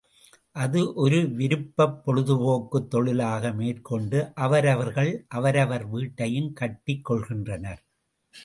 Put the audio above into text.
அது ஒரு விருப்பப் பொழுதுபோக்குத் தொழிலாக மேற்கொண்டு அவரவர்கள் அவரவர் வீட்டையும் கட்டிக் கொள்கின்றனர்.